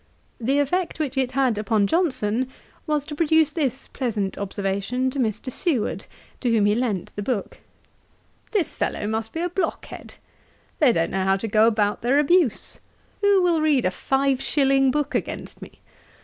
The effect which it had upon Johnson was, to produce this pleasant observation to Mr. Seward, to whom he lent the book: 'This fellow must be a blockhead. They don't know how to go about their abuse. Who will read a five shilling book against me?